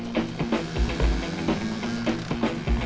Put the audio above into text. kau bisa bingung pukul aja